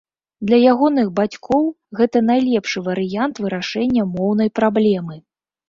Для ягоных бацькоў гэта найлепшы варыянт вырашэння моўнай праблемы.